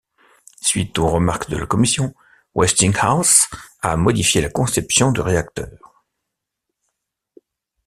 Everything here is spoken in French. Suite aux remarques de la commission, Westinghouse a modifié la conception du réacteur.